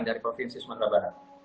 dari provinsi sumatera barat